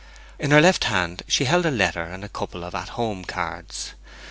In her left hand she held a letter and a couple of at home cards.